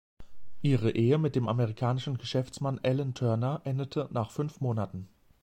Ihre Ehe mit dem amerikanischen Geschäftsmann Alan Turner endete nach fünf Monaten.